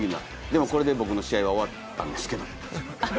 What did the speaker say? でもこれで僕の試合は終わったんですけど。